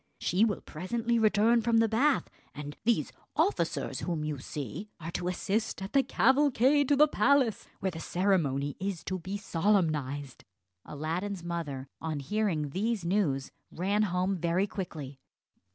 She will presently return from the bath; and these officers whom you see are to assist at the cavalcade to the palace, where the ceremony is to be solemnised." Aladdin's mother, on hearing these news, ran home very quickly.